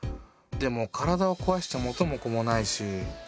でも体をこわしちゃ元も子もないし。